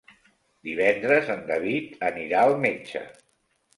Divendres en David anirà al metge.